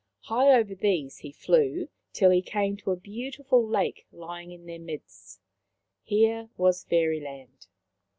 High over these he flew till he came to a beautiful lake lying in their midst. Here was Fairyland.